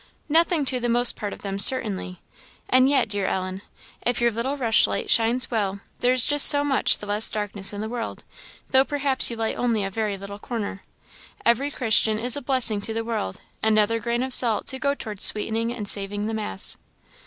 "Nothing to the most part of them, certainly; and yet, dear Ellen, if your little rushlight shines well, there is just so much the less darkness in the world though perhaps you light only a very little corner. Every Christian is a blessing to the world another grain of salt to go towards sweetening and saving the mass."